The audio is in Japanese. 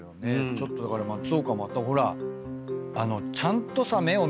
ちょっとだから松岡またほらっ。